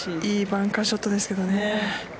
いいバンカーショットですけどね。